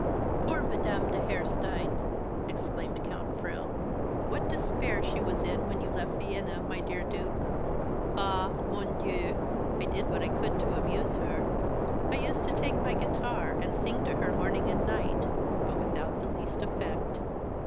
"Poor Madame de Harestein!" exclaimed Count Frill. "What despair she was in when you left Vienna, my dear duke. Ah! mon Dieu! I did what I could to amuse her. I used to take my guitar, and sing to her morning and night, but without the least effect.